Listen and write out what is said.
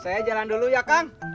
saya jalan dulu ya kang